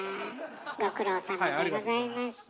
ご苦労さまでございました。